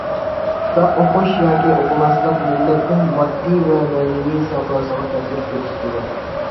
كىتاب ئوقۇش ياكى ئوقۇماسلىق مىللەتنىڭ ماددىي ۋە مەنىۋى ساپاسىغا تەسىر كۆرسىتىدۇ.